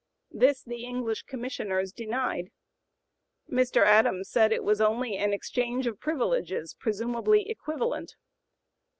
This the English Commissioners denied. Mr. Adams said it was only an exchange of privileges presumably equivalent.